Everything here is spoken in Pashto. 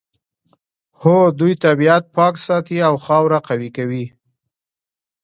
هو دوی طبیعت پاک ساتي او خاوره قوي کوي